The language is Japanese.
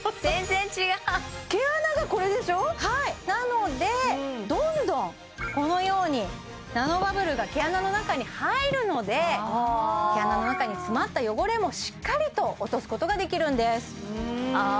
なのでどんどんこのようにナノバブルが毛穴の中に入るので毛穴の中に詰まった汚れもしっかりと落とすことができるんですあ